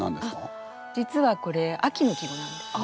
実はこれ秋の季語なんですね。